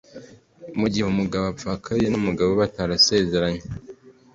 igihe umugore apfakaye we n'umugabo batarasezeranye